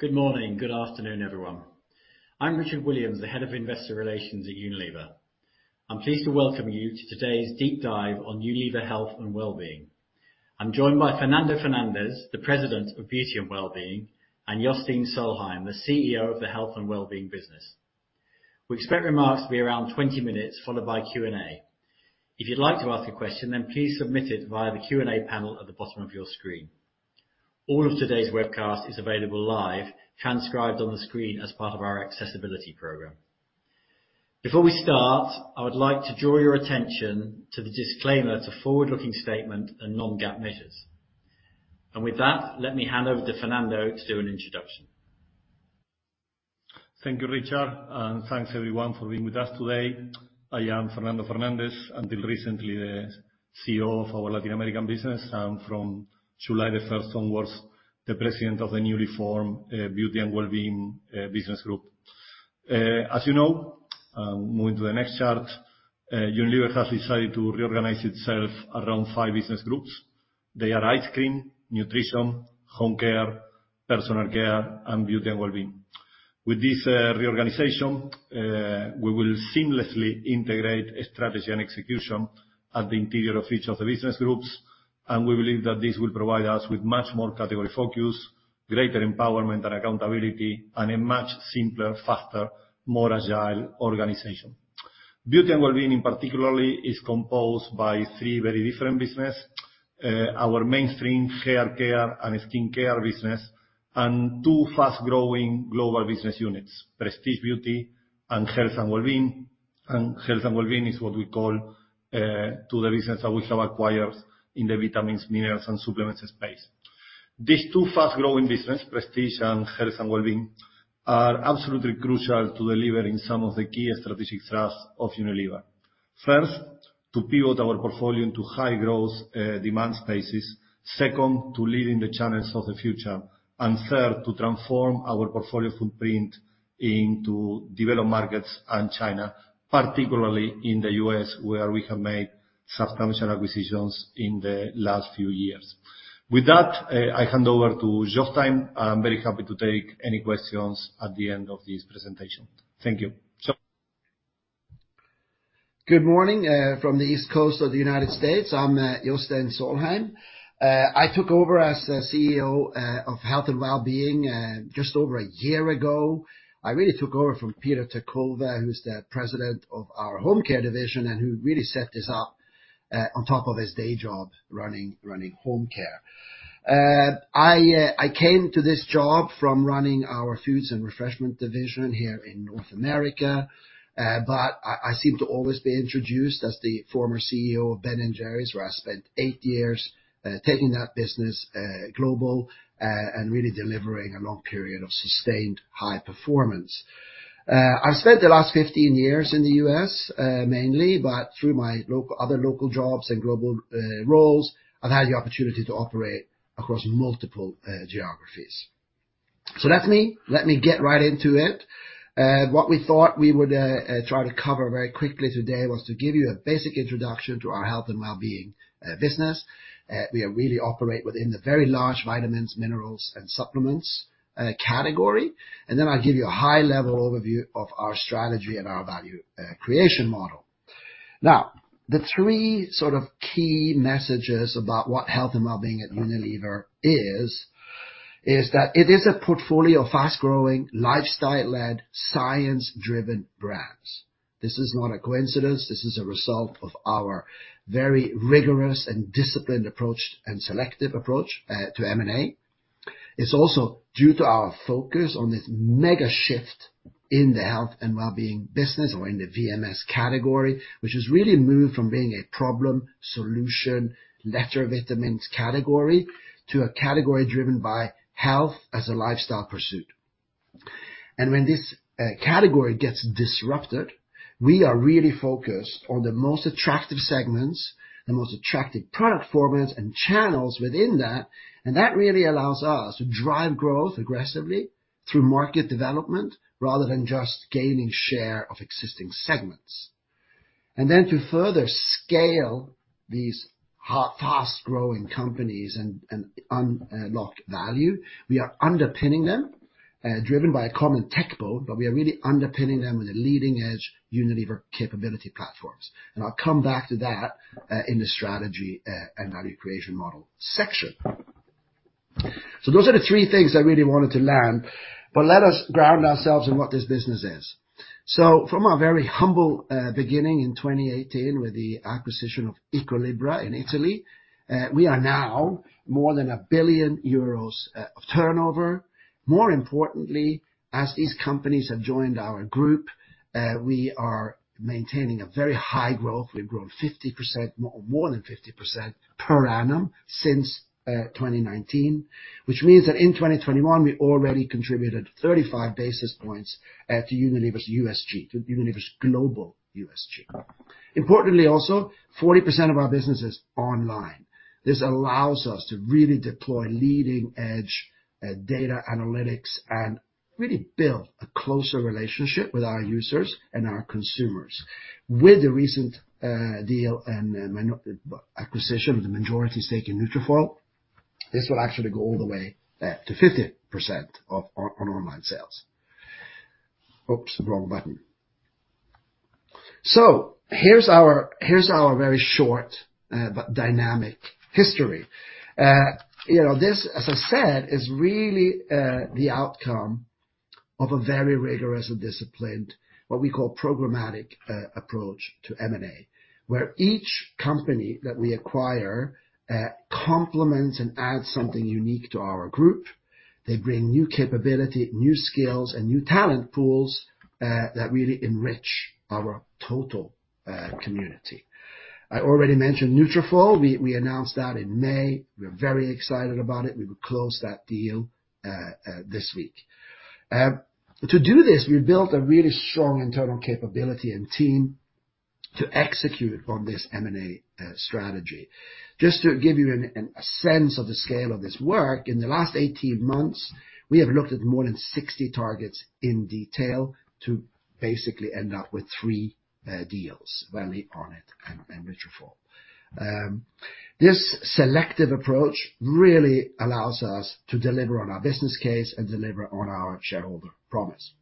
Good morning. Good afternoon, everyone. I'm Richard Williams, the head of investor relations at Unilever. I'm pleased to welcome you to today's deep dive on Unilever Health and Wellbeing. I'm joined by Fernando Fernandez, the President of Beauty and Wellbeing, and Jostein Solheim, the CEO of the Health and Wellbeing business. We expect remarks to be around 20 minutes, followed by Q&A. If you'd like to ask a question, then please submit it via the Q&A panel at the bottom of your screen. All of today's webcast is available live, transcribed on the screen as part of our accessibility program. Before we start, I would like to draw your attention to the disclaimer. It's a forward-looking statement and non-GAAP measures. With that, let me hand over to Fernando to do an introduction. Thank you, Richard, and thanks, everyone, for being with us today. I am Fernando Fernandez, until recently the CEO of our Latin American business, and from July 1 onwards, the president of the newly formed Beauty and Wellbeing business group. As you know, moving to the next chart, Unilever has decided to reorganize itself around five business groups. They are ice cream, nutrition, home care, personal care, and beauty and Wellbeing. With this reorganization, we will seamlessly integrate a strategy and execution at the interior of each of the business groups, and we believe that this will provide us with much more category focus, greater empowerment and accountability, and a much simpler, faster, more agile organization. Beauty and Wellbeing in particular is composed by three very different business. Our mainstream hair care and skin care business, and two fast-growing global business units, Prestige Beauty and Health and Wellbeing. Health and Wellbeing is what we call to the business that we have acquired in the vitamins, minerals, and supplements space. These two fast-growing business, Prestige and Health and Wellbeing, are absolutely crucial to delivering some of the key strategic thrust of Unilever. First, to pivot our portfolio into high growth demand spaces. Second, to leading the channels of the future. Third, to transform our portfolio footprint into developed markets and China, particularly in the U.S., where we have made substantial acquisitions in the last few years. With that, I hand over to Jostein. I'm very happy to take any questions at the end of this presentation. Thank you. Jostein. Good morning from the East Coast of the United States. I'm Jostein Solheim. I took over as the CEO of Health and Wellbeing just over a year ago. I really took over from Peter ter Kuil, who's the president of our home care division and who really set this up on top of his day job running home care. I came to this job from running our foods and refreshment division here in North America. I seem to always be introduced as the former CEO of Ben & Jerry's, where I spent eight years taking that business global and really delivering a long period of sustained high performance. I spent the last 15 years in the U.S. mainly, but through my local... other local jobs and global roles, I've had the opportunity to operate across multiple geographies. That's me. Let me get right into it. What we thought we would try to cover very quickly today was to give you a basic introduction to our Health and Wellbeing business. We really operate within the very large vitamins, minerals, and supplements category. Then I'll give you a high-level overview of our strategy and our value creation model. Now, the three sort of key messages about what Health and Wellbeing at Unilever is is that it is a portfolio of fast-growing, lifestyle-led, science-driven brands. This is not a coincidence. This is a result of our very rigorous and disciplined approach and selective approach to M&A. It's also due to our focus on this mega shift in the health and wellbeing business or in the VMS category, which has really moved from being a problem, solution, letter vitamins category to a category driven by health as a lifestyle pursuit. When this category gets disrupted, we are really focused on the most attractive segments, the most attractive product formats and channels within that, and that really allows us to drive growth aggressively through market development rather than just gaining share of existing segments. Then to further scale these fast-growing companies and unlock value, we are underpinning them driven by a common tech backbone, but we are really underpinning them with a leading-edge Unilever capability platforms. I'll come back to that in the strategy and value creation model section. Those are the three things I really wanted to land, but let us ground ourselves in what this business is. From our very humble beginning in 2018 with the acquisition of Equilibra in Italy, we are now more than 1 billion euros of turnover. More importantly, as these companies have joined our group, we are maintaining a very high growth. We've grown 50%, more than 50% per annum since 2019. Which means that in 2021 we already contributed 35 basis points at the Unilever's U.S.G, to Unilever's global U.S.G. Importantly, also, 40% of our business is online. This allows us to really deploy leading edge data analytics and really build a closer relationship with our users and our consumers. With the recent deal and acquisition of the majority stake in Nutrafol, this will actually go all the way to 50% of our online sales. Oops, the wrong button. Here's our very short but dynamic history. You know, this, as I said, is really the outcome of a very rigorous and disciplined, what we call programmatic, approach to M&A, where each company that we acquire complements and adds something unique to our group. They bring new capability, new skills, and new talent pools that really enrich our total community. I already mentioned Nutrafol. We announced that in May. We're very excited about it. We will close that deal this week. To do this, we built a really strong internal capability and team to execute on this M&A strategy. Just to give you a sense of the scale of this work, in the last 18 months, we have looked at more than 60 targets in detail to basically end up with three deals, Vitale, Onnit, and Nutrafol. This selective approach really allows us to deliver on our business case and deliver on our shareholder promise.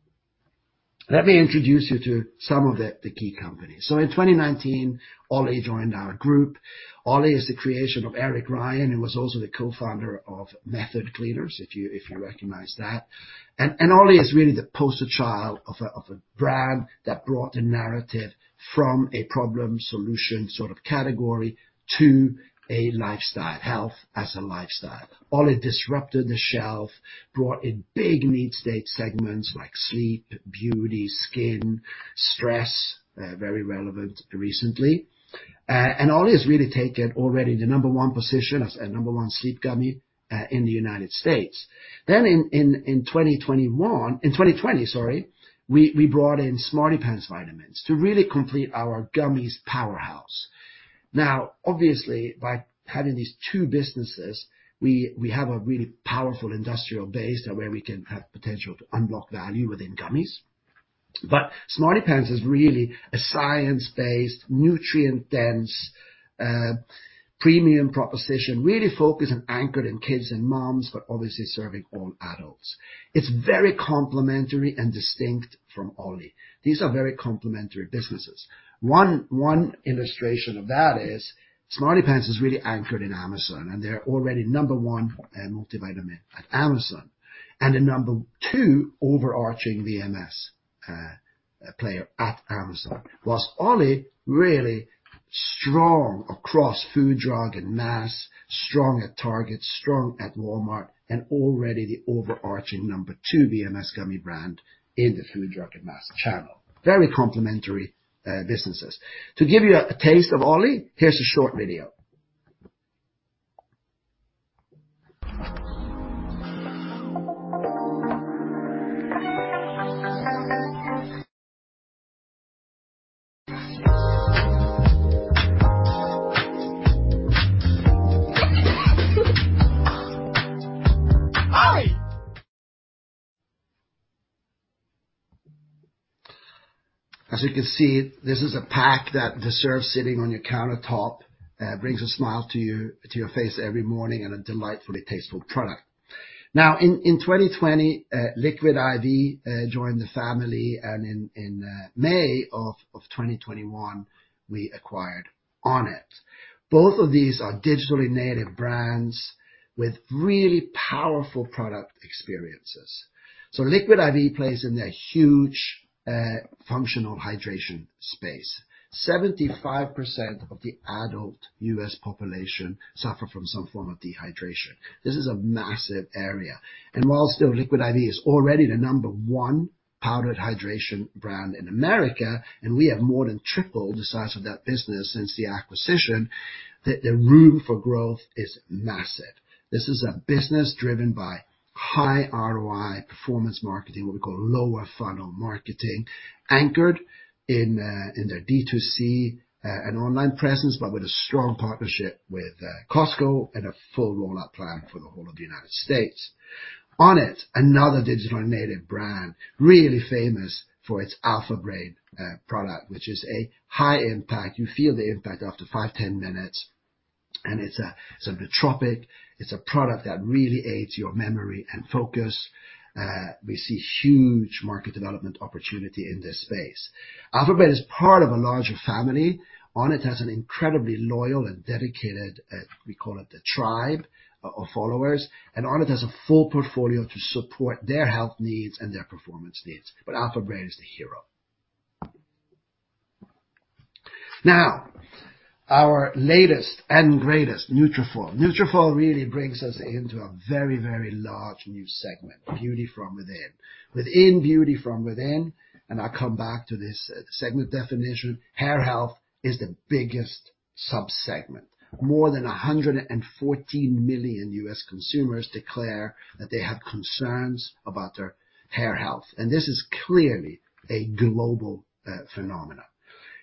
Let me introduce you to some of the key companies. In 2019, OLLY joined our group. OLLY is the creation of Eric Ryan, who was also the co-founder of Method Cleaners, if you recognize that. OLLY is really the poster child of a brand that brought the narrative from a problem/solution sort of category to a lifestyle, health as a lifestyle. OLLY disrupted the shelf, brought in big needstate segments like sleep, beauty, skin, stress, very relevant recently. OLLY has really taken already the number one position as a number one sleep gummy in the United States. In 2020, we brought in SmartyPants Vitamins to really complete our gummies powerhouse. Now, obviously, by having these two businesses, we have a really powerful industrial base where we can have potential to unlock value within gummies. SmartyPants is really a science-based, nutrient-dense, premium proposition, really focused and anchored in kids and moms, but obviously serving all adults. It's very complementary and distinct from OLLY. These are very complementary businesses. One illustration of that is SmartyPants is really anchored in Amazon, and they're already number one in multivitamin at Amazon, and the number two overarching VMS player at Amazon. While OLLY, really strong across food, drug, and mass, strong at Target, strong at Walmart, and already the overarching number two VMS gummy brand in the food, drug, and mass channel. Very complementary businesses. To give you a taste of OLLY, here's a short video. As you can see, this is a pack that deserves sitting on your countertop, brings a smile to your face every morning, and a delightfully tasteful product. Now in 2020, Liquid I.V. joined the family, and in May of 2021, we acquired Onnit. Both of these are digitally native brands with really powerful product experiences. Liquid I.V. plays in the huge functional hydration space. 75% of the adult U.S. population suffer from some form of dehydration. This is a massive area. While still Liquid I.V. is already the number one powdered hydration brand in America, and we have more than tripled the size of that business since the acquisition, the room for growth is massive. This is a business driven by high ROI performance marketing, what we call lower funnel marketing, anchored in their D2C and online presence, but with a strong partnership with Costco and a full rollout plan for the whole of the United States. Onnit, another digital native brand, really famous for its Alpha BRAIN product, which is a high impact. You feel the impact after five, 10 minutes, and it's a sort of nootropic. It's a product that really aids your memory and focus. We see huge market development opportunity in this space. Alpha BRAIN is part of a larger family. Onnit has an incredibly loyal and dedicated, we call it the tribe of followers, and Onnit has a full portfolio to support their health needs and their performance needs, but Alpha Brain is the hero. Now, our latest and greatest, Nutrafol. Nutrafol really brings us into a very, very large new segment, beauty from within. Within beauty from within, and I'll come back to this segment definition, hair health is the biggest sub-segment. More than 114 million U.S. consumers declare that they have concerns about their hair health, and this is clearly a global, phenomena.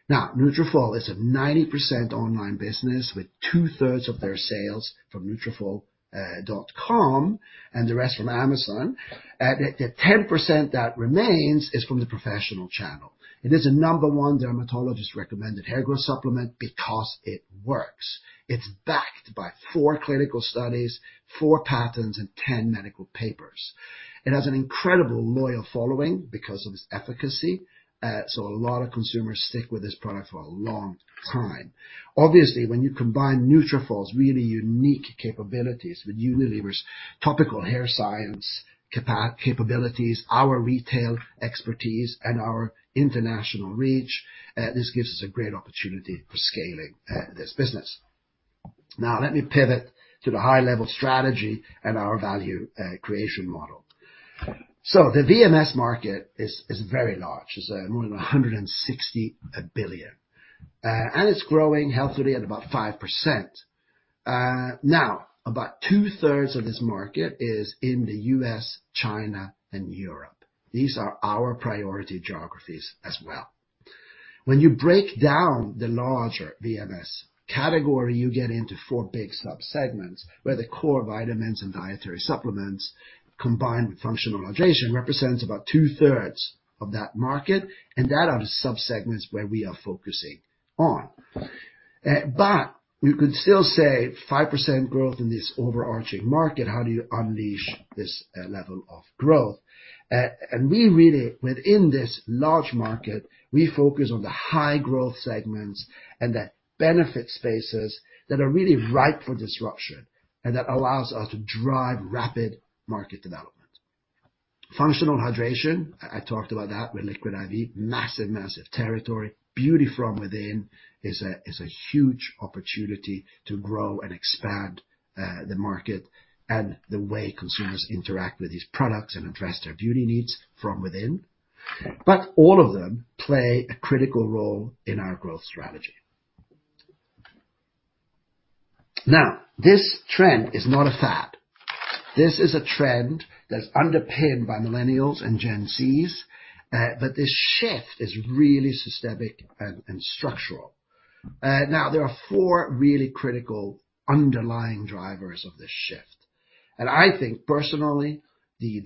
Now, Nutrafol is a 90% online business with two-thirds of their sales from nutrafol.com and the rest from Amazon. The 10% that remains is from the professional channel. It is the number one dermatologist-recommended hair growth supplement because it works. It's backed by four clinical studies, four patents, and 10 medical papers. It has an incredible loyal following because of its efficacy, so a lot of consumers stick with this product for a long time. Obviously, when you combine Nutrafol's really unique capabilities with Unilever's topical hair science capabilities, our retail expertise and our international reach, this gives us a great opportunity for scaling this business. Now let me pivot to the high-level strategy and our value creation model. The VMS market is very large. It's more than 160 billion, and it's growing healthily at about 5%. Now about two-thirds of this market is in the U.S., China, and Europe. These are our priority geographies as well. When you break down the larger VMS category, you get into four big sub-segments, where the core vitamins and dietary supplements, combined with functional hydration, represents about two-thirds of that market, and that are the sub-segments where we are focusing on. You could still say 5% growth in this overarching market. How do you unleash this level of growth? We really, within this large market, we focus on the high growth segments and the benefit spaces that are really ripe for disruption and that allows us to drive rapid market development. Functional hydration, I talked about that with Liquid I.V. Massive territory. Beauty from within is a huge opportunity to grow and expand the market and the way consumers interact with these products and address their beauty needs from within. All of them play a critical role in our growth strategy. Now, this trend is not a fad. This is a trend that's underpinned by millennials and Gen Z's, but this shift is really systemic and structural. Now there are 4 really critical underlying drivers of this shift, and I think personally, the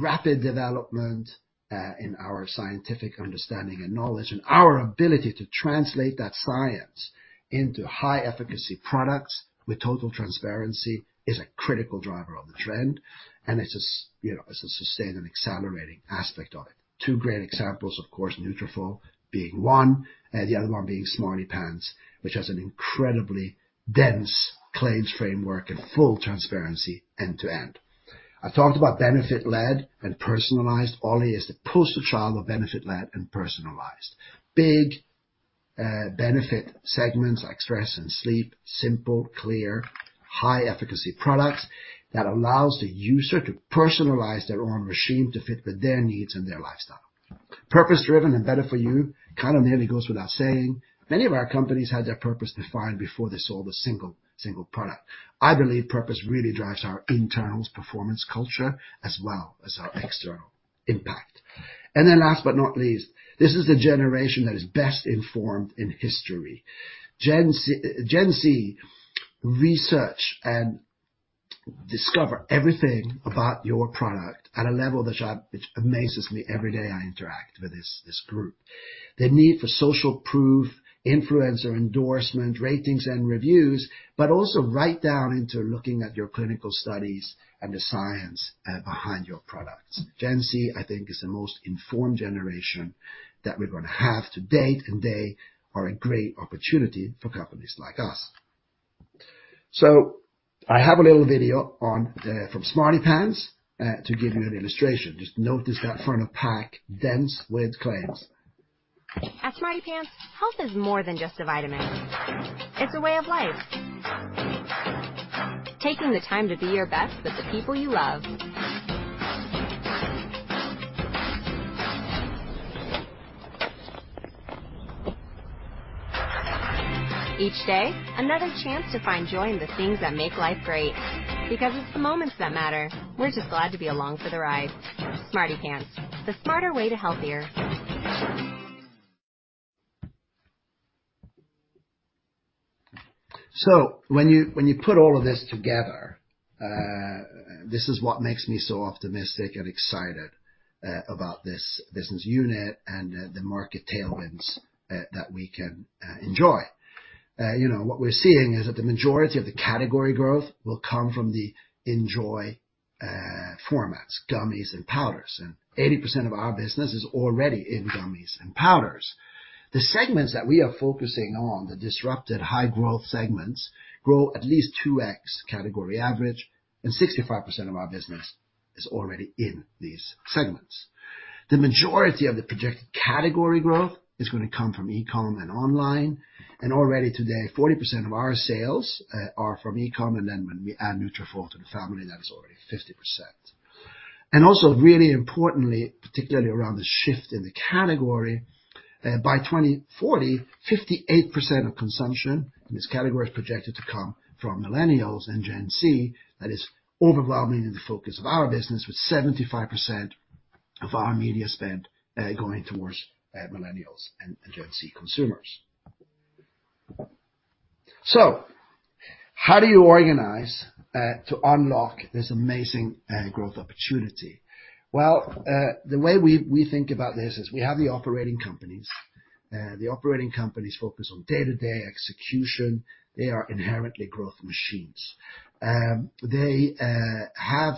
rapid development in our scientific understanding and knowledge and our ability to translate that science into high efficacy products with total transparency is a critical driver of the trend. You know, it's a sustained and accelerating aspect of it. Two great examples, of course, Nutrafol being one, the other one being SmartyPants, which has an incredibly dense claims framework and full transparency end-to-end. I talked about benefit-led and personalized. OLLY is the poster child of benefit-led and personalized. Big, benefit segments like stress and sleep, simple, clear, high efficacy products that allows the user to personalize their own regime to fit with their needs and their lifestyle. Purpose-driven and better for you kind of nearly goes without saying. Many of our companies had their purpose defined before they sold a single product. I believe purpose really drives our internal's performance culture as well as our external impact. Last but not least, this is the generation that is best informed in history. Gen Z research and discover everything about your product at a level. It amazes me every day I interact with this group. The need for social proof, influencer endorsement, ratings and reviews, but also right down into looking at your clinical studies and the science behind your products. Gen Z, I think is the most informed generation that we're gonna have to date, and they are a great opportunity for companies like us. I have a little video on, from SmartyPants, to give you an illustration. Just notice that front of pack dense with claims. At SmartyPants, health is more than just a vitamin. It's a way of life. Taking the time to be your best with the people you love. Each day, another chance to find joy in the things that make life great. Because it's the moments that matter. We're just glad to be along for the ride. SmartyPants, the smarter way to healthier. When you put all of this together, this is what makes me so optimistic and excited about this business unit and the market tailwinds that we can enjoy. You know, what we're seeing is that the majority of the category growth will come from the enjoyable formats, gummies and powders, and 80% of our business is already in gummies and powders. The segments that we are focusing on, the disrupted high growth segments, grow at least 2x category average and 65% of our business is already in these segments. The majority of the projected category growth is gonna come from e-com and online, and already today, 40% of our sales are from e-com, and then when we add Nutrafol to the family, that is already 50%. Also really importantly, particularly around the shift in the category, by 2040, 58% of consumption in this category is projected to come from millennials and Gen Z. That is overwhelmingly the focus of our business, with 75% of our media spend going towards millennials and Gen Z consumers. How do you organize to unlock this amazing growth opportunity? Well, the way we think about this is we have the operating companies. The operating companies focus on day-to-day execution. They are inherently growth machines. They have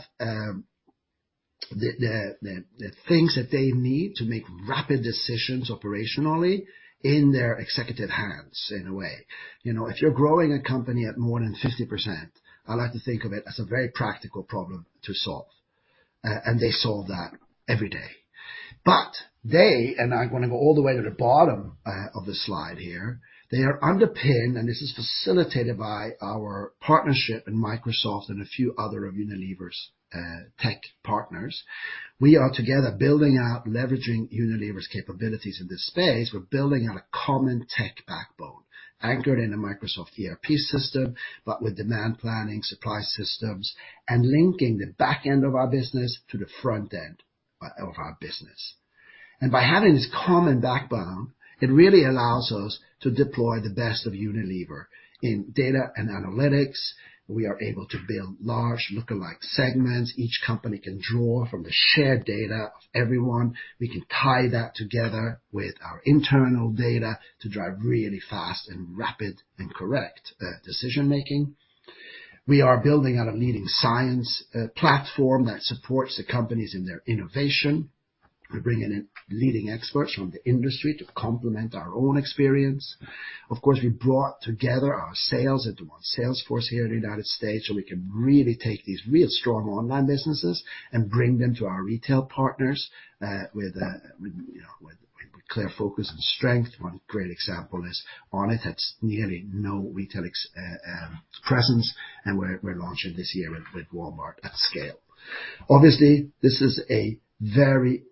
the things that they need to make rapid decisions operationally in their executive hands, in a way. You know, if you're growing a company at more than 50%, I like to think of it as a very practical problem to solve. They solve that every day. They, and I'm gonna go all the way to the bottom of the slide here, they are underpinned, and this is facilitated by our partnership in Microsoft and a few other of Unilever's tech partners. We are together building out, leveraging Unilever's capabilities in this space. We're building out a common tech backbone anchored in a Microsoft ERP system, but with demand planning, supply systems, and linking the back end of our business to the front end of our business. By having this common backbone, it really allows us to deploy the best of Unilever in data and analytics. We are able to build large lookalike segments. Each company can draw from the shared data of everyone. We can tie that together with our internal data to drive really fast and rapid and correct decision-making. We are building out a leading science platform that supports the companies in their innovation. We bring in leading experts from the industry to complement our own experience. Of course, we brought together our sales into one sales force here in the United States, so we can really take these real strong online businesses and bring them to our retail partners, you know, with clear focus and strength. One great example is Onnit, that's nearly no retail presence, and we're launching this year with Walmart at scale. Obviously, this is a very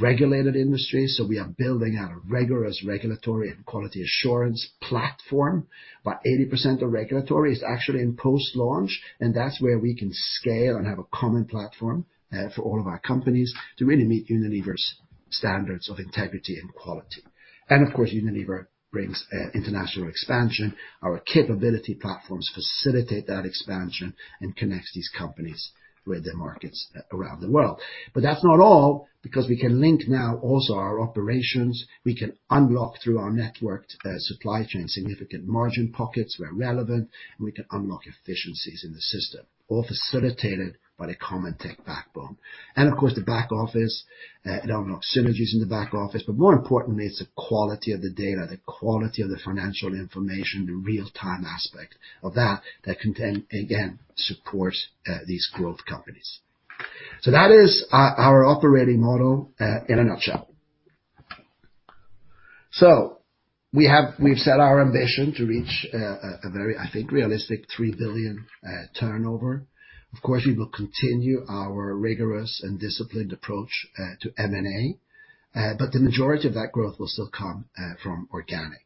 regulated industry, so we are building out a rigorous regulatory and quality assurance platform. About 80% of regulatory is actually in post-launch, and that's where we can scale and have a common platform for all of our companies to really meet Unilever's standards of integrity and quality. Of course, Unilever brings international expansion. Our capability platforms facilitate that expansion and connects these companies with the markets around the world. That's not all, because we can link now also our operations. We can unlock through our networked supply chain, significant margin pockets where relevant, and we can unlock efficiencies in the system, all facilitated by the common tech backbone. Of course, the back office it unlocks synergies in the back office. More importantly, it's the quality of the data, the quality of the financial information, the real-time aspect of that can then, again, support these growth companies. That is our operating model in a nutshell. We have set our ambition to reach a very realistic 3 billion turnover. Of course, we will continue our rigorous and disciplined approach to M&A. But the majority of that growth will still come from organic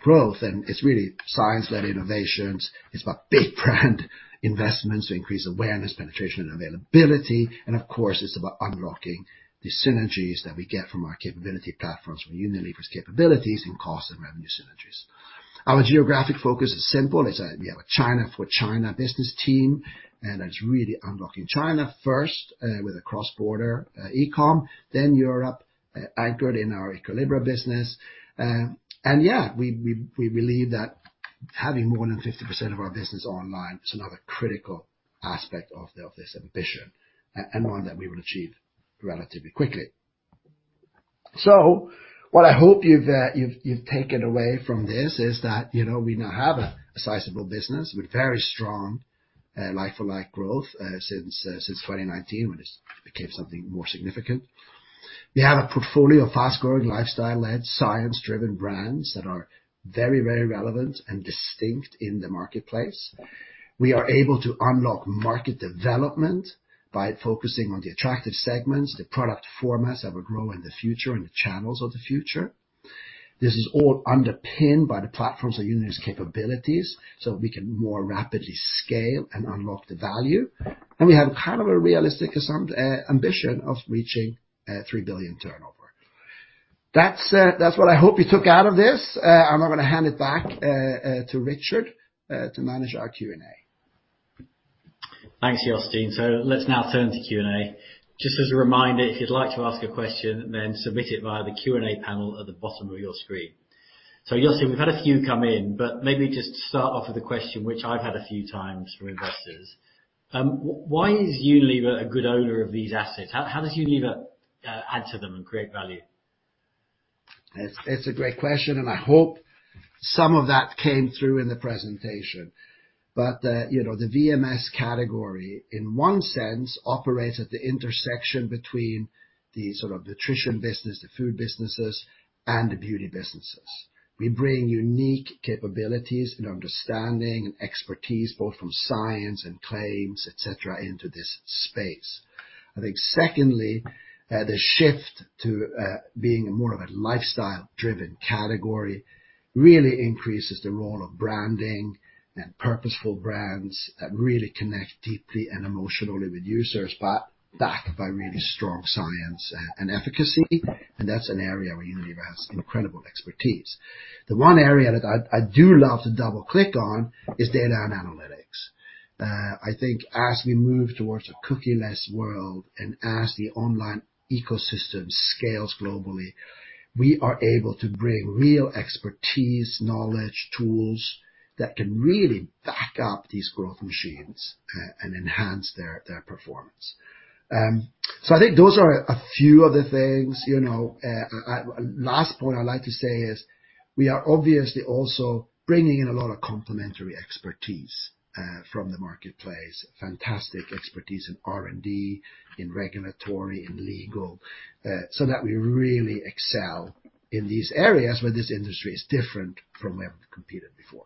growth, and it's really science-led innovations. It's about big brand investments to increase awareness, penetration and availability. Of course, it's about unlocking the synergies that we get from our capability platforms, from Unilever's capabilities in cost and revenue synergies. Our geographic focus is simple. It's we have a China for China business team, and it's really unlocking China first with a cross-border e-com. Then Europe, anchored in our Equilibra business. Yeah, we believe that having more than 50% of our business online is another critical aspect of this ambition and one that we will achieve relatively quickly. What I hope you've taken away from this is that, you know, we now have a sizable business with very strong like-for-like growth since 2019, when it became something more significant. We have a portfolio of fast-growing, lifestyle-led, science-driven brands that are very relevant and distinct in the marketplace. We are able to unlock market development by focusing on the attractive segments, the product formats that will grow in the future and the channels of the future. This is all underpinned by the platforms of Unilever's capabilities, so we can more rapidly scale and unlock the value. We have kind of a realistic ambition of reaching 3 billion turnover. That's what I hope you took out of this. I'm now gonna hand it back to Richard to manage our Q&A. Thanks, Jostein. Let's now turn to Q&A. Just as a reminder, if you'd like to ask a question, then submit it via the Q&A panel at the bottom of your screen. Jostein, we've had a few come in, but maybe just start off with a question which I've had a few times from investors. Why is Unilever a good owner of these assets? How does Unilever add to them and create value? It's a great question, and I hope some of that came through in the presentation. You know, the VMS category, in one sense, operates at the intersection between the sort of nutrition business, the food businesses and the beauty businesses. We bring unique capabilities and understanding and expertise, both from science and claims, et cetera, into this space. I think secondly, the shift to being more of a lifestyle driven category really increases the role of branding and purposeful brands that really connect deeply and emotionally with users, but backed by really strong science and efficacy, and that's an area where Unilever has incredible expertise. The one area that I do love to double-click on is data and analytics. I think as we move towards a cookie-less world and as the online ecosystem scales globally, we are able to bring real expertise, knowledge, tools that can really back up these growth machines and enhance their performance. I think those are a few of the things, you know. Last point I'd like to say is we are obviously also bringing in a lot of complementary expertise from the marketplace, fantastic expertise in R&D, in regulatory, in legal, so that we really excel in these areas where this industry is different from we have competed before.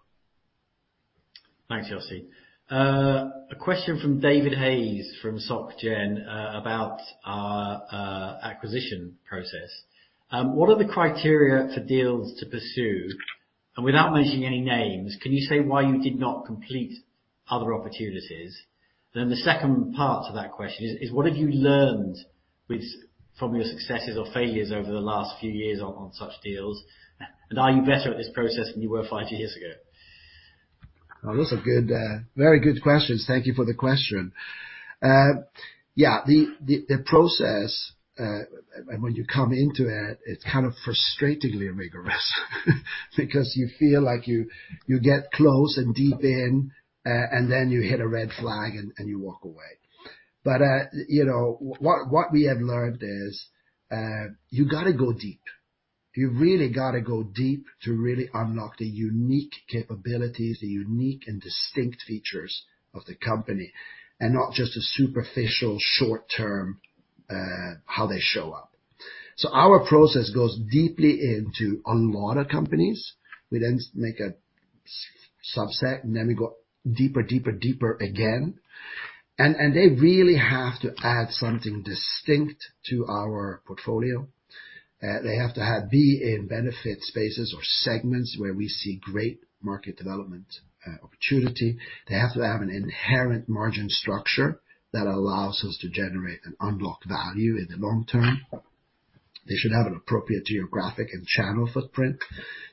Thanks, Jostein. A question from David Hayes from Société Générale about our acquisition process. What are the criteria for deals to pursue? Without mentioning any names, can you say why you did not complete other opportunities? The second part to that question is, what have you learned from your successes or failures over the last few years on such deals? Are you better at this process than you were five years ago? Those are good, very good questions. Thank you for the question. Yeah, the process, and when you come into it's kind of frustratingly rigorous because you feel like you get close and deep in, and then you hit a red flag and you walk away. You know, what we have learned is you gotta go deep. You really gotta go deep to really unlock the unique capabilities, the unique and distinct features of the company, and not just a superficial, short-term, how they show up. Our process goes deeply into a lot of companies. We then make a subset, and then we go deeper again. They really have to add something distinct to our portfolio. They have to be in benefit spaces or segments where we see great market development opportunity. They have to have an inherent margin structure that allows us to generate and unlock value in the long term. They should have an appropriate geographic and channel footprint.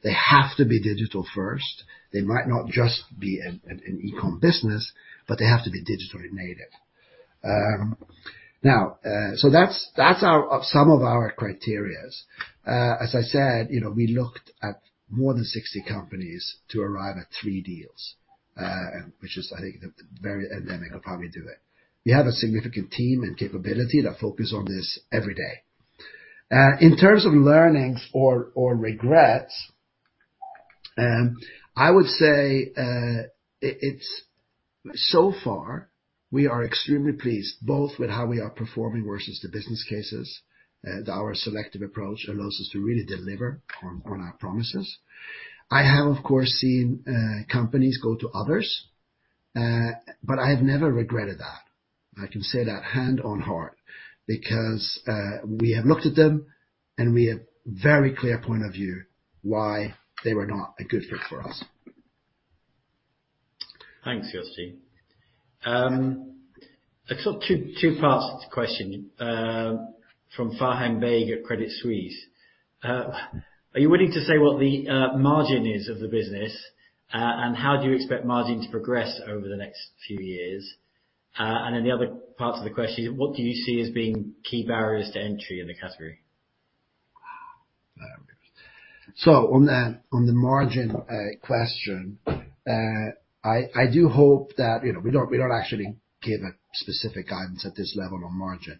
They have to be digital first. They might not just be an e-com business, but they have to be digitally native. Now, that's some of our criteria. As I said, you know, we looked at more than 60 companies to arrive at three deals, and which is, I think, very indicative of how we do it. We have a significant team and capability that focus on this every day. In terms of learnings or regrets, I would say, it's so far we are extremely pleased both with how we are performing versus the business cases. Our selective approach allows us to really deliver on our promises. I have, of course, seen companies go to others, but I have never regretted that. I can say that hand on heart because we have looked at them, and we have very clear point of view why they were not a good fit for us. Thanks, Jostein. I thought two parts to the question from Faham Baig at Credit Suisse. Are you willing to say what the margin is of the business, and how do you expect margin to progress over the next few years? And then the other part to the question is, what do you see as being key barriers to entry in the category? On the margin question, I do hope that you know, we don't actually give a specific guidance at this level on margin.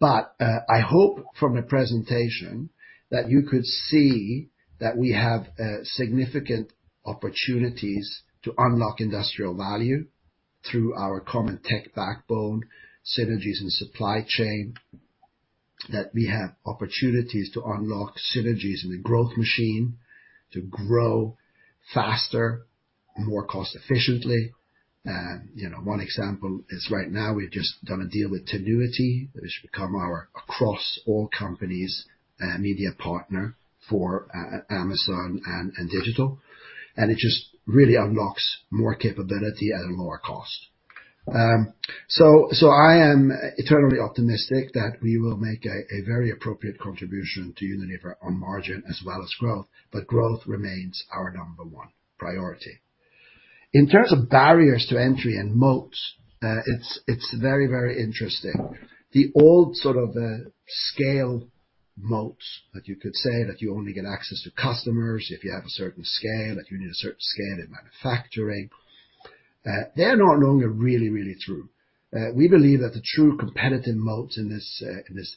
I hope from the presentation that you could see that we have significant opportunities to unlock industrial value through our common tech backbone, synergies in supply chain, that we have opportunities to unlock synergies in the growth machine to grow faster and more cost efficiently. You know, one example is right now we've just done a deal with Tinuiti, which become our across all companies media partner for Amazon and digital. It just really unlocks more capability at a lower cost. I am eternally optimistic that we will make a very appropriate contribution to Unilever on margin as well as growth, but growth remains our number one priority. In terms of barriers to entry and moats, it's very interesting. The old sort of scale moats that you could say that you only get access to customers if you have a certain scale, like you need a certain scale in manufacturing, they are no longer really true. We believe that the true competitive moats in this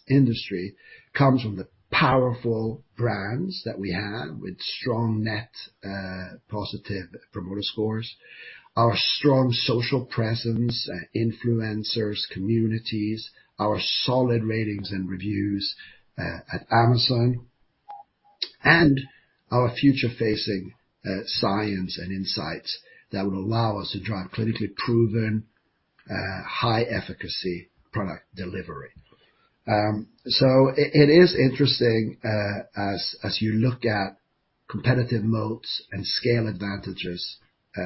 industry comes from the powerful brands that we have with strong net positive promoter scores, our strong social presence, influencers, communities, our solid ratings and reviews at Amazon. Our future facing science and insights that will allow us to drive clinically proven high efficacy product delivery. It is interesting as you look at competitive moats and scale advantages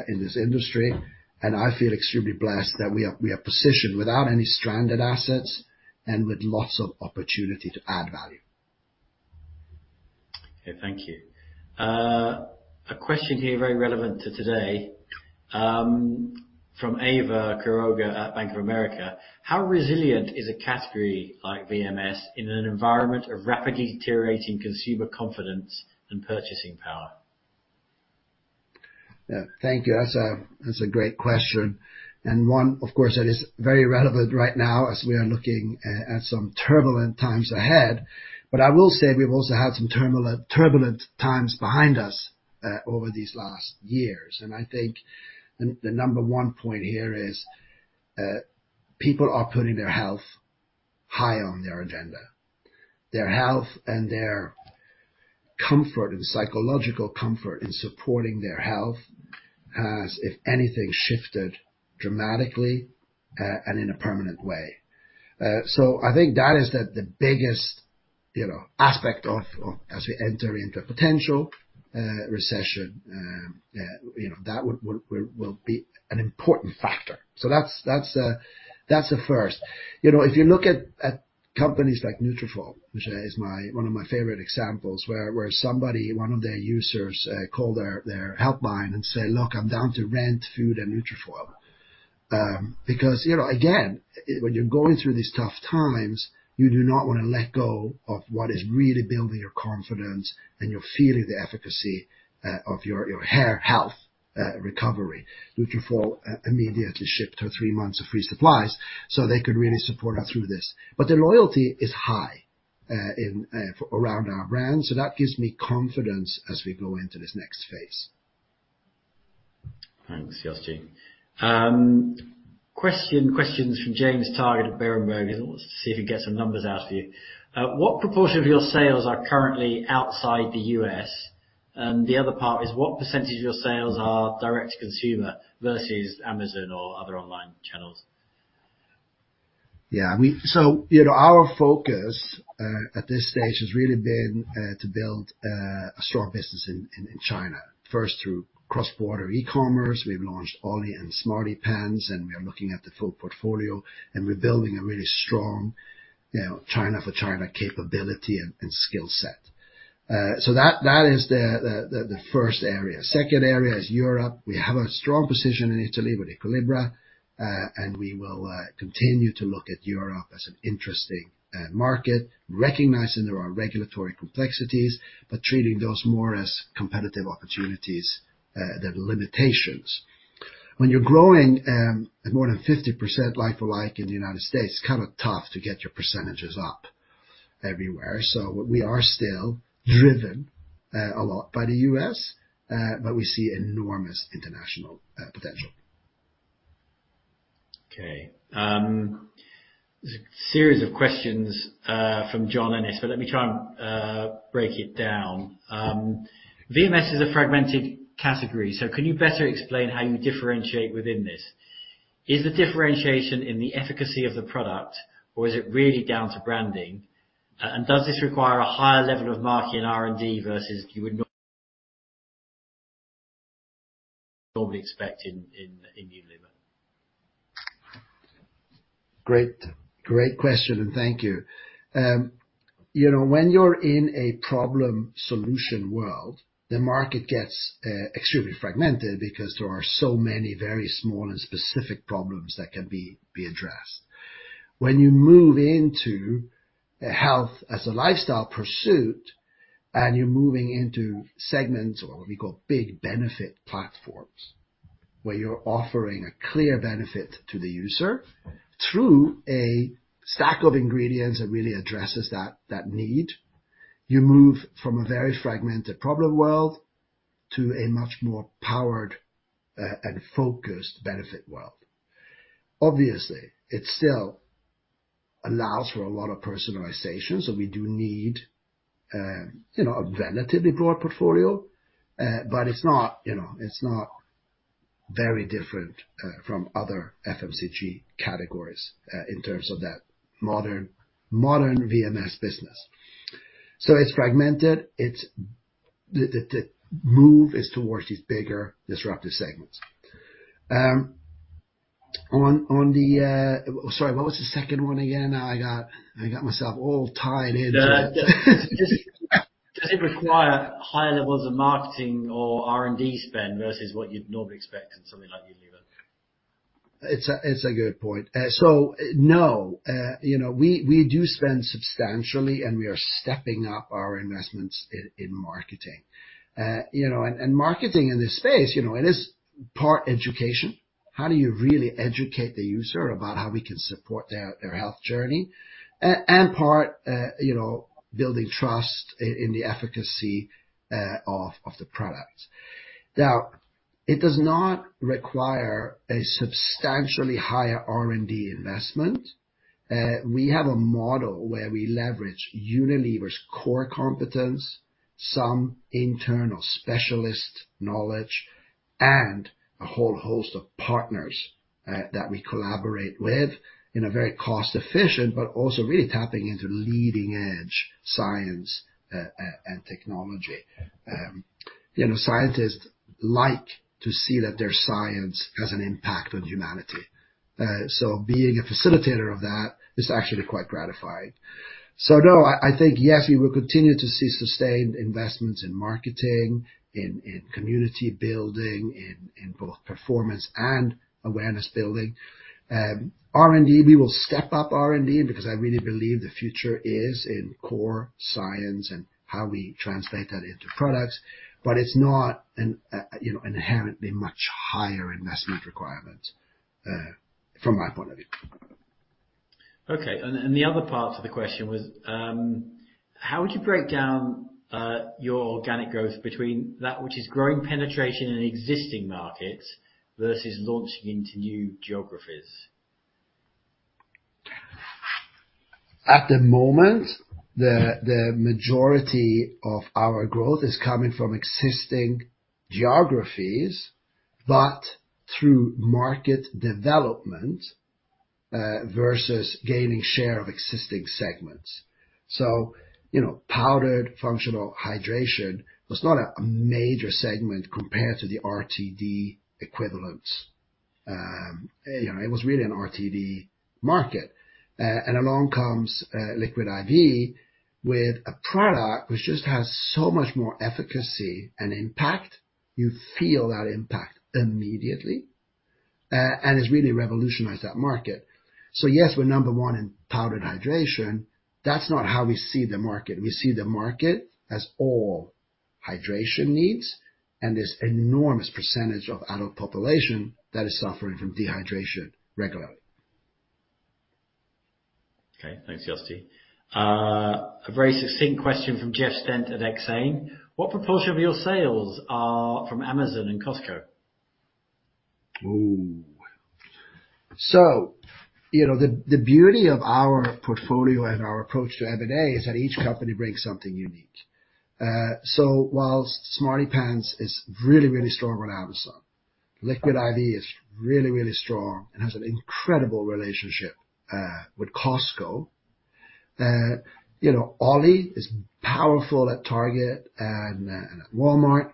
in this industry. I feel extremely blessed that we are positioned without any stranded assets and with lots of opportunity to add value. Okay. Thank you. A question here very relevant to today, from Ewa Korga at Bank of America. How resilient is a category like VMS in an environment of rapidly deteriorating consumer confidence and purchasing power? Yeah. Thank you. That's a great question, and one, of course, that is very relevant right now as we are looking at some turbulent times ahead. I will say we've also had some turbulent times behind us over these last years. I think the number one point here is people are putting their health high on their agenda. Their health and their comfort and psychological comfort in supporting their health has, if anything, shifted dramatically and in a permanent way. I think that is the biggest, you know, aspect as we enter into a potential recession. You know, that will be an important factor. That's the first. You know, if you look at companies like Nutrafol, which is my... One of my favorite examples, where somebody, one of their users, called their helpline and said, "Look, I'm down to rent, food and Nutrafol." Because, you know, again, when you're going through these tough times, you do not wanna let go of what is really building your confidence and you're feeling the efficacy of your hair health recovery. Nutrafol immediately shipped her three months of free supplies, so they could really support her through this. The loyalty is high in and around our brand, so that gives me confidence as we go into this next phase. Thanks, Jostein. Questions from James Targett at Berenberg. He wants to see if he can get some numbers out of you. What proportion of your sales are currently outside the U.S.? The other part is, what percentage of your sales are direct to consumer versus Amazon or other online channels? Yeah. Our focus at this stage has really been to build a strong business in China. First, through cross-border e-commerce. We've launched OLLY and SmartyPants, and we are looking at the full portfolio. We're building a really strong, you know, China for China capability and skill set. That is the first area. Second area is Europe. We have a strong position in Italy with Equilibra, and we will continue to look at Europe as an interesting market. Recognizing there are regulatory complexities, but treating those more as competitive opportunities than limitations. When you're growing at more than 50% like for like in the United States, it's kind of tough to get your percentages up everywhere. We are still driven a lot by the U.S., but we see enormous international potential. Okay. There's a series of questions from John Ennis, but let me try and break it down. VMS is a fragmented category, so can you better explain how you differentiate within this? Is the differentiation in the efficacy of the product, or is it really down to branding? Does this require a higher level of marketing and R&D versus you would normally expect in Unilever? Great. Great question, and thank you. You know, when you're in a problem-solution world, the market gets extremely fragmented because there are so many very small and specific problems that can be addressed. When you move into a health as a lifestyle pursuit and you're moving into segments or what we call big benefit platforms, where you're offering a clear benefit to the user through a stack of ingredients that really addresses that need, you move from a very fragmented problem world to a much more powered and focused benefit world. Obviously, it still allows for a lot of personalization, so we do need, you know, a relatively broad portfolio. But it's not, you know, it's not very different from other FMCG categories in terms of that modern VMS business. It's fragmented. The move is towards these bigger disruptive segments. Sorry, what was the second one again? I got myself all tied into it. Does it require higher levels of marketing or R&D spend versus what you'd normally expect in something like Unilever? It's a good point. No. You know, we do spend substantially, and we are stepping up our investments in marketing. You know, marketing in this space, you know, it is part education. How do you really educate the user about how we can support their health journey? Part you know, building trust in the efficacy of the product. Now, it does not require a substantially higher R&D investment. We have a model where we leverage Unilever's core competence, some internal specialist knowledge and a whole host of partners that we collaborate with in a very cost-efficient, but also really tapping into leading-edge science and technology. You know, scientists like to see that their science has an impact on humanity. Being a facilitator of that is actually quite gratifying. No, I think yes, we will continue to see sustained investments in marketing, in community building, in both performance and awareness building. R&D, we will step up R&D because I really believe the future is in core science and how we translate that into products, but it's not inherently much higher investment requirement from my point of view. Okay. The other part to the question was, how would you break down your organic growth between that which is growing penetration in existing markets versus launching into new geographies? At the moment, the majority of our growth is coming from existing geographies, but through market development, versus gaining share of existing segments. You know, powdered functional hydration was not a major segment compared to the RTD equivalent. It was really an RTD market. Along comes Liquid I.V. with a product which just has so much more efficacy and impact. You feel that impact immediately. It's really revolutionized that market. Yes, we're number one in powdered hydration. That's not how we see the market. We see the market as all hydration needs, and there's enormous percentage of adult population that is suffering from dehydration regularly. Okay. Thanks, Jostein. A very succinct question from Jeff Stent at Exane. What proportion of your sales are from Amazon and Costco? Ooh. You know, the beauty of our portfolio and our approach to M&A is that each company brings something unique. While SmartyPants is really, really strong on Amazon, Liquid I.V. is really, really strong and has an incredible relationship with Costco. You know, OLLY is powerful at Target and at Walmart.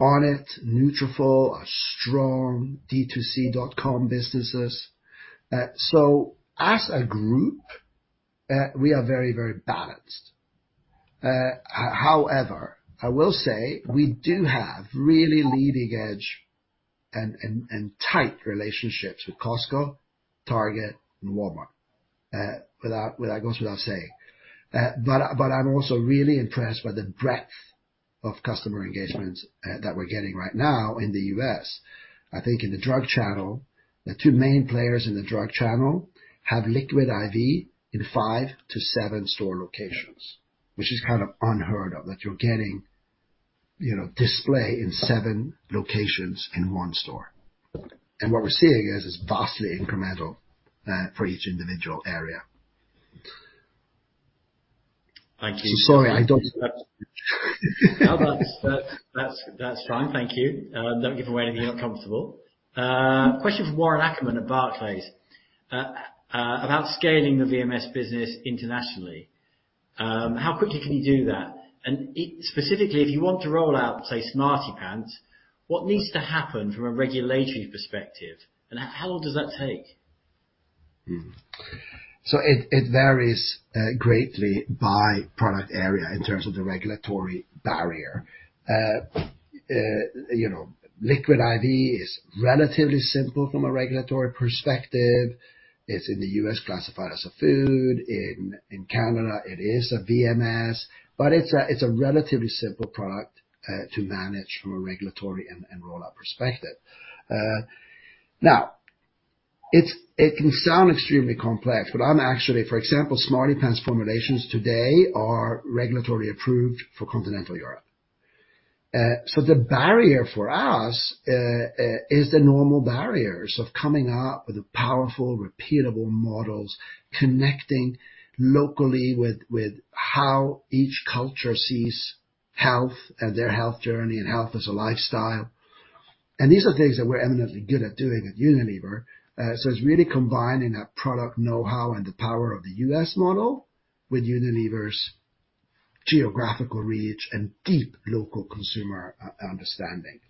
Onnit, Nutrafol are strong D2C dot-com businesses. As a group, we are very, very balanced. However, I will say we do have really leading edge and tight relationships with Costco, Target and Walmart. Well, that goes without saying. But I'm also really impressed by the breadth of customer engagements that we're getting right now in the U.S. I think in the drug channel, the two main players in the drug channel have Liquid I.V. in five to seven store locations, which is kind of unheard of, that you're getting, you know, display in seven locations in one store. What we're seeing is it's vastly incremental for each individual area. Thank you. Sorry, I don't- No, that's fine. Thank you. Don't give away anything you're not comfortable. Question from Warren Ackerman at Barclays. About scaling the VMS business internationally, how quickly can you do that? And specifically, if you want to roll out, say, SmartyPants, what needs to happen from a regulatory perspective, and how long does that take? It varies greatly by product area in terms of the regulatory barrier. You know, Liquid I.V. is relatively simple from a regulatory perspective. It's in the U.S. classified as a food. In Canada it is a VMS, but it's a relatively simple product to manage from a regulatory and rollout perspective. It can sound extremely complex, but I'm actually. For example, SmartyPants formulations today are regulatory approved for continental Europe. The barrier for us is the normal barriers of coming up with powerful, repeatable models, connecting locally with how each culture sees health and their health journey and health as a lifestyle. These are things that we're eminently good at doing at Unilever. It's really combining that product know-how and the power of the U.S. model with Unilever's geographical reach and deep local consumer understanding.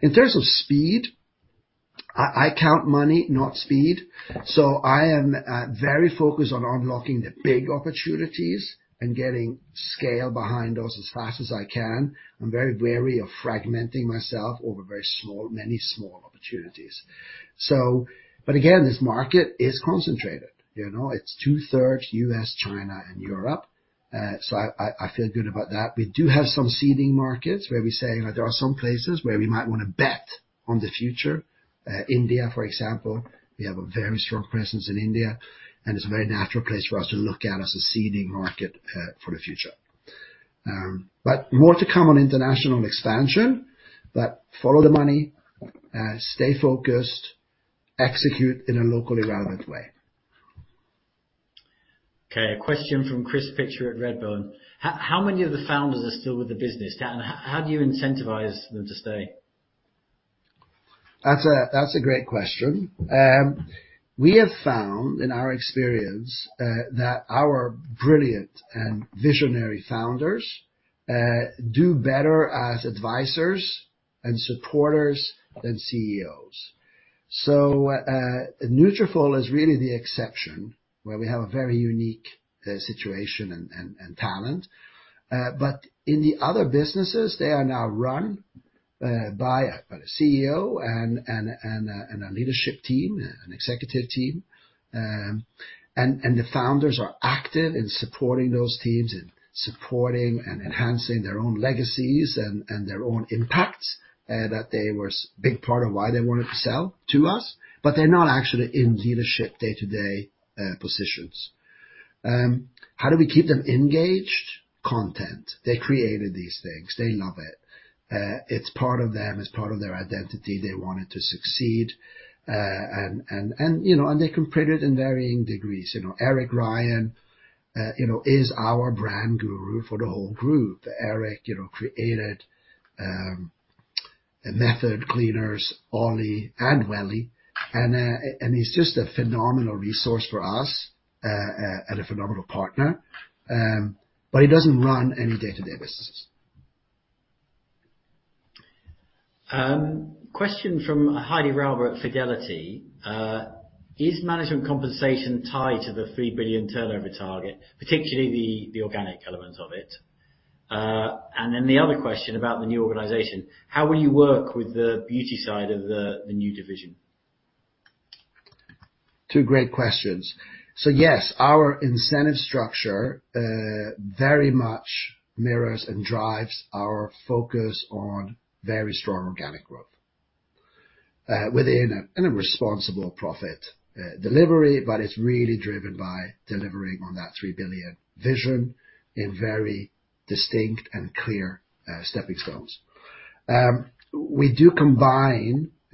In terms of speed, I count money, not speed, so I am very focused on unlocking the big opportunities and getting scale behind us as fast as I can. I'm very wary of fragmenting myself over many small opportunities. This market is concentrated. You know, it's two-thirds U.S., China, and Europe. I feel good about that. We do have some seeding markets where we say, you know, there are some places where we might wanna bet on the future. India, for example, we have a very strong presence in India, and it's a very natural place for us to look at as a seeding market for the future. More to come on international expansion. Follow the money, stay focused, execute in a locally relevant way. Okay. A question from Chris Pitcher at Redburn. How many of the founders are still with the business? And how do you incentivize them to stay? That's a great question. We have found in our experience that our brilliant and visionary founders do better as advisors and supporters than CEOs. Nutrafol is really the exception, where we have a very unique situation and a leadership team, an executive team. The founders are active in supporting those teams and enhancing their own legacies and their own impacts that they were big part of why they wanted to sell to us, but they're not actually in leadership day-to-day positions. How do we keep them engaged? Content. They created these things. They love it. It's part of them, it's part of their identity. They want it to succeed. They can put it in varying degrees. You know, Eric Ryan, you know, is our brand guru for the whole group. Eric, you know, created Method Cleaners, OLLY and Welly, and he's just a phenomenal resource for us and a phenomenal partner. He doesn't run any day-to-day business. Question from Heidi Rauber at Fidelity. Is management compensation tied to the 3 billion turnover target, particularly the organic element of it? The other question about the new organization, how will you work with the beauty side of the new division? Two great questions. Yes, our incentive structure very much mirrors and drives our focus on very strong organic growth within a responsible profit delivery, but it's really driven by delivering on that 3 billion vision in very distinct and clear stepping stones.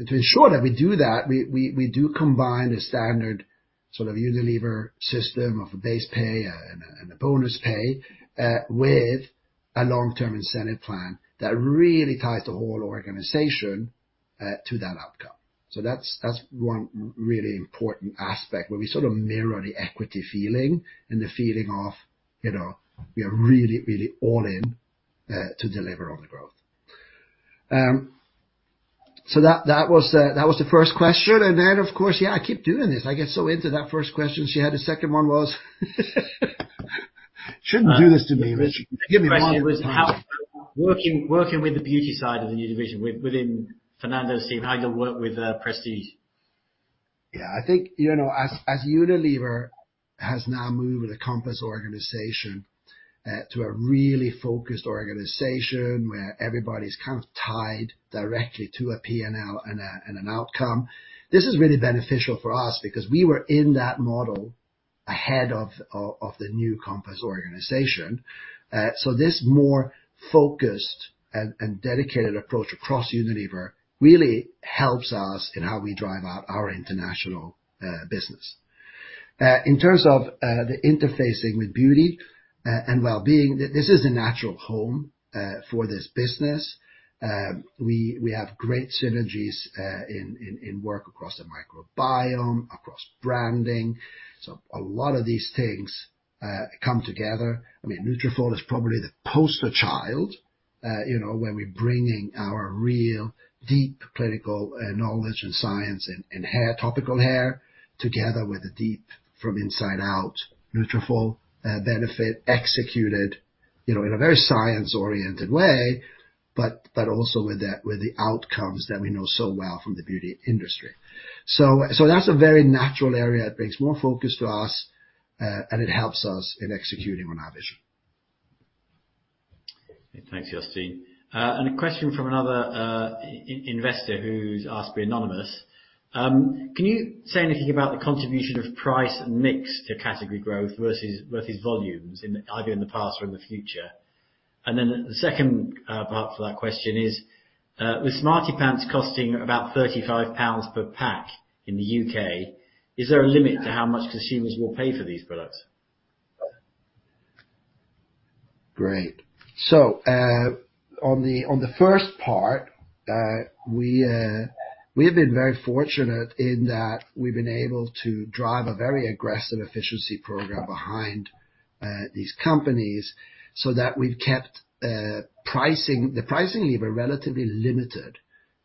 To ensure that we do that, we do combine a standard sort of Unilever system of a base pay and a bonus pay with a long-term incentive plan that really ties the whole organization to that outcome. That's one really important aspect where we sort of mirror the equity feeling and the feeling of, you know, we are really all in to deliver on the growth. That was the first question. Of course, yeah, I keep doing this. I get so into that first question she had a second one was. Shouldn't do this to me, Richard. Give me one. Working with the beauty side of the new division within Fernando's team, how you'll work with Prestige? Yeah. I think, you know, as Unilever has now moved with a Compass Organisation to a really focused organization where everybody's kind of tied directly to a PNL and an outcome, this is really beneficial for us because we were in that model ahead of the new Compass Organisation. This more focused and dedicated approach across Unilever really helps us in how we drive out our international business. In terms of the interfacing with Beauty and Wellbeing, this is a natural home for this business. We have great synergies in work across the microbiome, across branding. A lot of these things come together. I mean, Nutrafol is probably the poster child, you know, when we're bringing our real deep clinical knowledge in science and hair, topical hair, together with a deep from inside out Nutrafol benefit executed, you know, in a very science-oriented way, but also with the outcomes that we know so well from the beauty industry. That's a very natural area. It brings more focus to us, and it helps us in executing on our vision. Thanks, Jostein. A question from another investor who's asked to be anonymous. Can you say anything about the contribution of price and mix to category growth versus volumes in either the past or in the future? The second part for that question is, with SmartyPants costing about 35 pounds per pack in the UK, is there a limit to how much consumers will pay for these products? Great. On the first part, we have been very fortunate in that we've been able to drive a very aggressive efficiency program behind these companies so that we've kept pricing, the pricing lever relatively limited.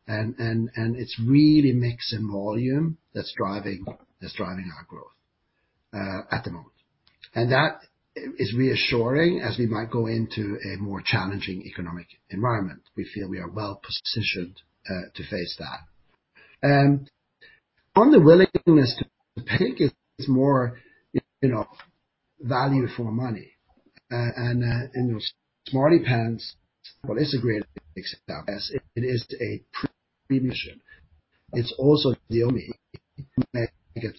It's really mix and volume that's driving our growth at the moment. That is reassuring as we might go into a more challenging economic environment. We feel we are well positioned to face that. On the willingness to pay, it is more, you know, value for money. In those SmartyPants, what's great is it is a premium. It's also the only. When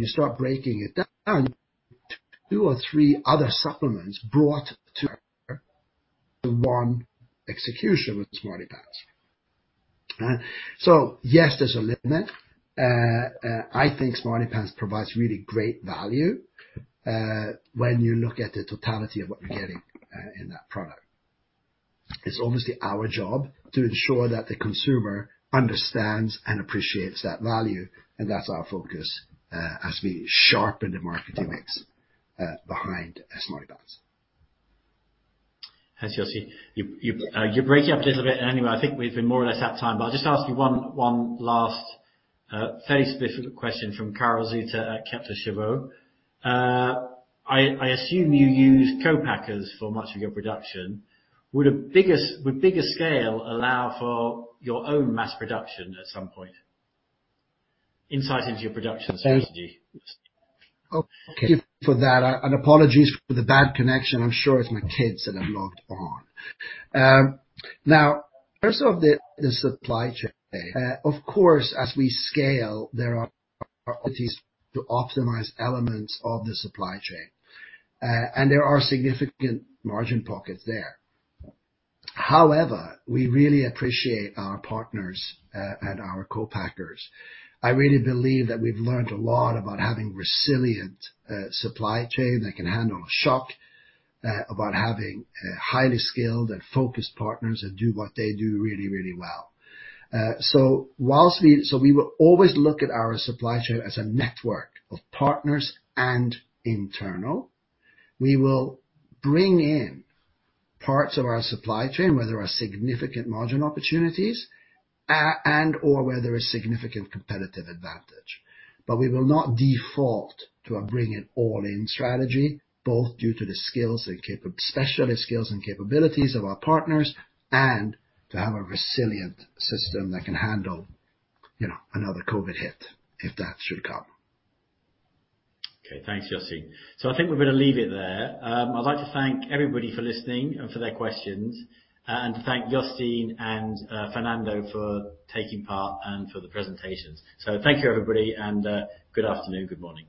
you start breaking it down, two or three other supplements brought to one execution with SmartyPants. Yes, there's a limit. I think SmartyPants provides really great value, when you look at the totality of what we're getting, in that product. It's obviously our job to ensure that the consumer understands and appreciates that value, and that's our focus, as we sharpen the marketing mix, behind SmartyPants. Thanks, Jostein. You're breaking up a little bit, and anyway, I think we've been more or less out of time. I'll just ask you one last, fairly specific question from Karel Zoete at Kepler Cheuvreux. I assume you use co-packers for much of your production. Would bigger scale allow for your own mass production at some point? Insight into your production strategy. Oh, okay. For that, apologies for the bad connection. I'm sure it's my kids that have logged on. Now, first, the supply chain. Of course, as we scale, there are opportunities to optimize elements of the supply chain. There are significant margin pockets there. However, we really appreciate our partners and our co-packers. I really believe that we've learned a lot about having resilient supply chain that can handle a shock, about having highly skilled and focused partners that do what they do really, really well. We will always look at our supply chain as a network of partners and internal. We will bring in parts of our supply chain where there are significant margin opportunities and/or where there is significant competitive advantage. We will not default to a bring it all in strategy, both due to the skills and specialist skills and capabilities of our partners, and to have a resilient system that can handle, you know, another COVID hit, if that should come. Okay. Thanks, Jostein. I think we're gonna leave it there. I'd like to thank everybody for listening and for their questions, and to thank Jostein and Fernando for taking part and for the presentations. Thank you, everybody, and good afternoon, good morning.